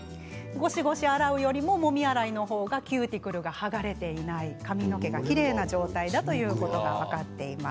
もみ洗いの方がキューティクルが剥がれていない髪の毛がきれいな状態だということが分かっています。